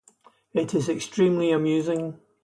It is extremely amusing.